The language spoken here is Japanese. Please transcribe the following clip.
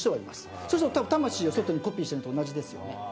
そうすると魂を外にコピーしてるのと同じですよね。